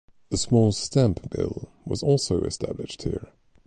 A small stamp mill was also established here.